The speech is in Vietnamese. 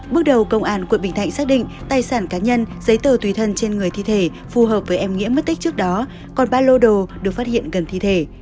bước đầu công an quận bình thạnh xác định tài sản cá nhân giấy tờ tùy thân trên người thi thể phù hợp với em nghĩa mất tích trước đó còn ba lô đồ được phát hiện gần thi thể